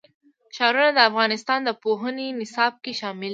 ښارونه د افغانستان د پوهنې نصاب کې شامل دي.